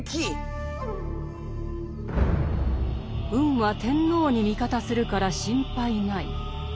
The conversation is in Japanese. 運は天皇に味方するから心配ない。